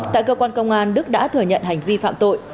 tại cơ quan công an đức đã thừa nhận hành vi phạm tội